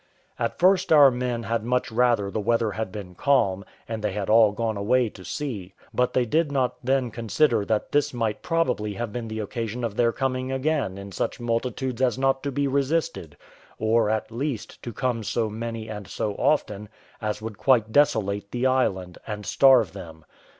At first our men had much rather the weather had been calm, and they had all gone away to sea: but they did not then consider that this might probably have been the occasion of their coming again in such multitudes as not to be resisted, or, at least, to come so many and so often as would quite desolate the island, and starve them.